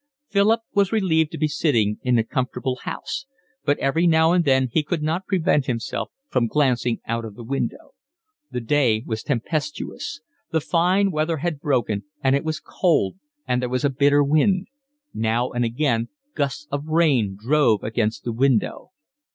Philip was relieved to be sitting in a comfortable house, but every now and then he could not prevent himself from glancing out of the window. The day was tempestuous. The fine weather had broken; and it was cold, and there was a bitter wind; now and again gusts of rain drove against the window.